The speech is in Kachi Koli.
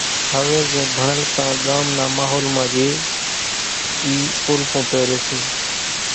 هويَ زين ڀڻل ڪان ڳام نا ماحول مان ريئيَ اِي پولڪُون پيريَ سي۔